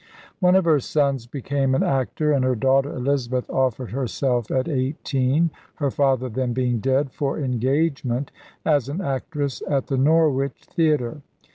One of her sons became an actor, and her daughter Elizabeth offered herself at eighteen her father then being dead for engagement as an actress at the Norwich Theatre.